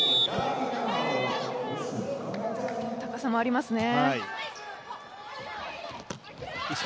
高さもありますね。